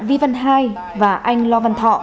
vi văn hai và anh lo văn thọ